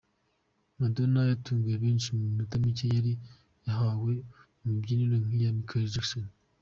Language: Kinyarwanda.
Madonna yatunguye benshi mu minota mike yari yahawe, mu mibyinire nk'iya Michael Jackson!.